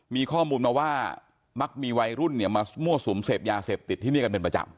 มีข้อมูลมาว่ามักมีวัยรุ่นเนี่ยมามั่วสุมเสพยาเสพติดที่นี่กันเป็นประจำ